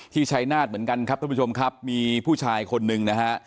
ชายนาฏเหมือนกันครับท่านผู้ชมครับมีผู้ชายคนหนึ่งนะฮะ